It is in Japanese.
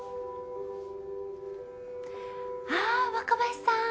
あ若林さん